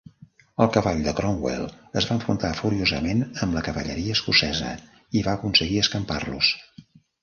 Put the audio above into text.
El cavall de Cromwell es va enfrontar furiosament amb la cavalleria escocesa i va aconseguir escampar-los.